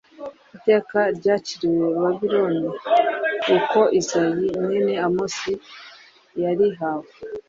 Iteka ryaciriwe Babiloni, uko Izayi mwene Amosi yarihawe.